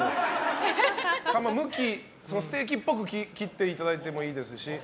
ステーキっぽく切っていただいてもいいですし。